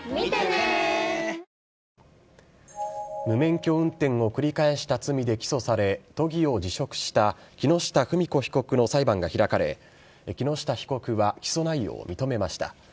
無免許運転を繰り返した罪で起訴され、都議を辞職した木下富美子被告の裁判が開かれ、木下被告は起訴内容を認めました。